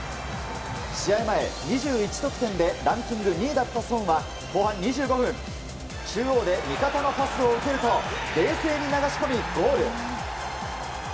試合前、２１得点でランキング２位だったソンは後半２５分中央で味方のパスを受けると冷静に流し込み、ゴール！